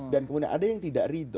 dan kemudian ada yang tidak ridho